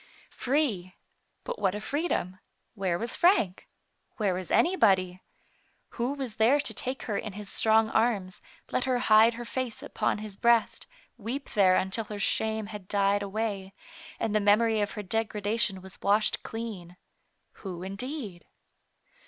Free ! but what a freedom ! Where was Frank ? Where was anybody? Who was there to take her in his strong arms, let her hide her face upon his breast, weep there until her shame had died away, and the memory of her degradation was washed clean. Who, indeed